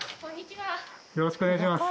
よろしくお願いします。